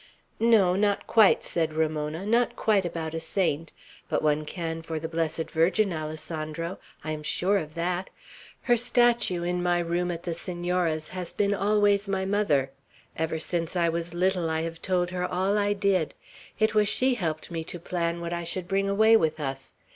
"No, not quite," said Ramona; "not quite, about a saint; but one can for the Blessed Virgin, Alessandro! I am sure of that. Her statue, in my room at the Senora's, has been always my mother. Ever since I was little I have told her all I did. It was she helped me to plan what I should bring away with us.